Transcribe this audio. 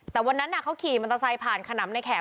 แต่วันนั้นอะเขาขี่มันจะใส่ผ่านขนำในแขก